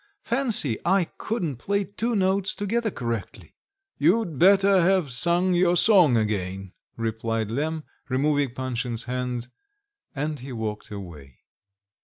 Fancy, I couldn't play two notes together correctly." "You'd better have sung your song again," replied Lemm, removing Panshin's hands, and he walked away.